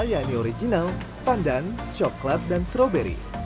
yang ini original pandan coklat dan stroberi